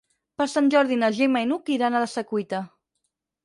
Per Sant Jordi na Gemma i n'Hug iran a la Secuita.